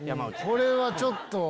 これはちょっと。